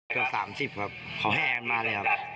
เกือบ๓๐ครับเขาให้แอนมาเลยครับ